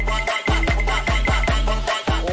เออ